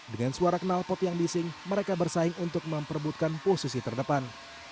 dengan suara kenalpot yang bising mereka bersaing untuk memperbutkan posisi terdepan